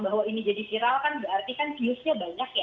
bahwa ini jadi viral kan berarti kan viewsnya banyak ya